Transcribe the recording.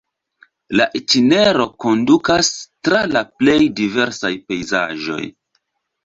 La itinero kondukas tra la plej diversaj pejzaĝoj.